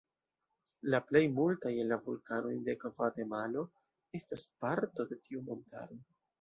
La plej multaj el la vulkanoj de Gvatemalo estas parto de tiu montaro.